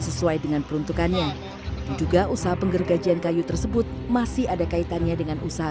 sesuai dengan peruntukannya diduga usaha penggergajian kayu tersebut masih ada kaitannya dengan usaha